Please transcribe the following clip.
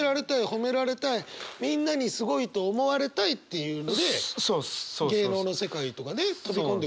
褒められたいみんなにすごいと思われたいっていうので芸能の世界とかね飛び込んでくるんだから。